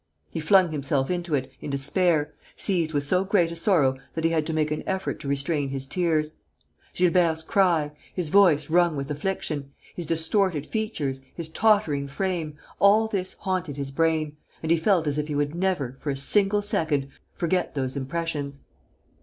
He flung himself into it, in despair, seized with so great a sorrow that he had to make an effort to restrain his tears. Gilbert's cry, his voice wrung with affliction, his distorted features, his tottering frame: all this haunted his brain; and he felt as if he would never, for a single second, forget those impressions.